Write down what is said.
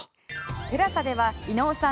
ＴＥＬＡＳＡでは伊野尾さん